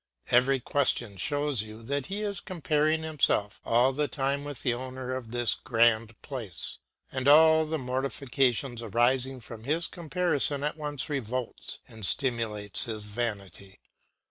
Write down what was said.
Every question shows you that he is comparing himself all the time with the owner of this grand place. And all the mortification arising from this comparison at once revolts and stimulates his vanity.